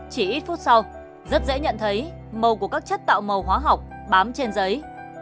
chỉ ít phút sau rất dễ nhận thấy màu của các chất tạo màu hóa học bám trên giấy